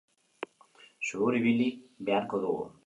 Zuhur ibili beharko dugu.